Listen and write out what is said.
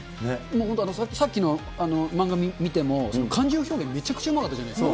本当、さっきの漫画見ても、感情表現めちゃくちゃうまかったじゃないですか。